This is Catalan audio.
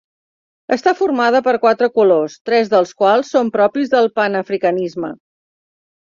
Està formada per quatre colors, tres dels quals són propis del panafricanisme.